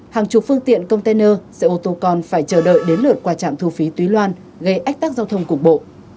hàng chục phương tiện container xe ô tô còn phải chờ đợi đến lượt qua trạm thu phí túy loan gây ách tác giao thông cục bộ